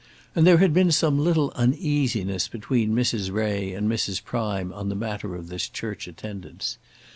And there had been some little uneasiness between Mrs. Ray and Mrs. Prime on the matter of this church attendance.